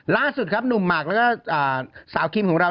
ล่าสุดครับหนุ่มหมากแล้วก็สาวคิมของเรา